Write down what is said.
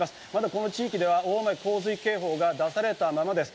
この地域では大雨洪水警報が出されたままです。